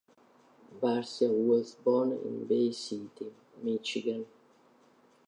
Barcia was born in Bay City, Michigan.